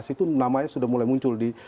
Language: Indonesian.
dua ribu dua belas itu namanya sudah mulai muncul